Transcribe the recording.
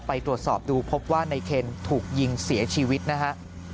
ไปตรวจสอบดูพบว่าในเคนถูกยิงเสียชีวิตนะฮะ